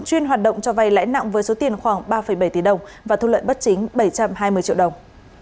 chuyên hoạt động cho vay lãi nặng với số tiền khoảng ba bảy tỷ đồng và thu lợi bất chính bảy trăm hai mươi triệu đồng